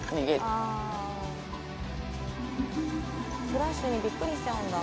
フラッシュにびっくりしちゃうんだ。